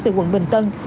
về quận bình tân